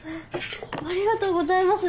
ありがとうございます！